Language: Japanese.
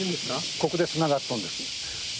ここでつながっとんです。